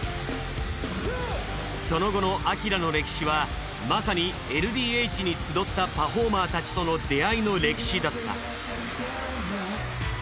その後のＡＫＩＲＡの歴史はまさにＬＤＨに集ったパフォーマーたちとの出会いの歴史だった。